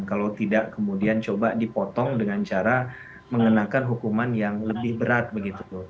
kalau tidak kemudian coba dipotong dengan cara mengenakan hukuman yang lebih berat begitu